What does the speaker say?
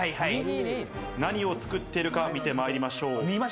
何を作っているか見てまいりましょう。